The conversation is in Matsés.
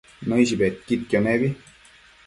Nëish bedquidquio nebi